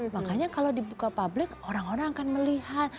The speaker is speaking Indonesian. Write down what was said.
makanya kalau dibuka publik orang orang akan melihat